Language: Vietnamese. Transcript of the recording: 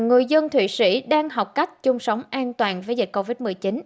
người dân thụy sĩ đang học cách chung sống an toàn với dịch covid một mươi chín